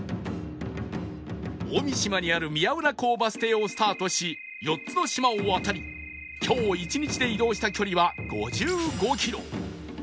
大三島にある宮浦港バス停をスタートし４つの島を渡り今日一日で移動した距離は５５キロ